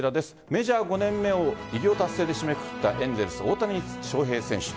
メジャー５年目を偉業達成で締めくくったエンゼルス・大谷翔平選手。